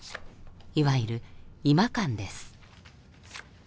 いわゆる「今感」です。